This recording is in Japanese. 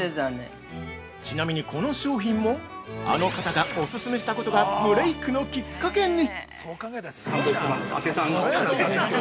◆ちなみに、この商品もあの方がお勧めしたことがブレイクのきっかけに！